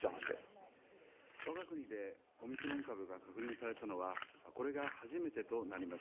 オミクロン株が確認されたのは、これが初めてとなります。